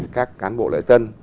các cán bộ lễ tân